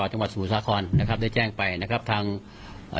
จังหวัดสมุทรสาครนะครับได้แจ้งไปนะครับทางเอ่อ